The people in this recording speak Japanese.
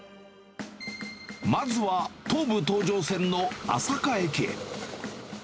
まずは東武東上線の朝霞駅へ。